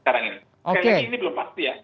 sekarang ini belum pasti ya